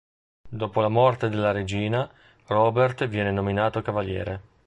Dopo la morte della regina, Robert viene nominato cavaliere.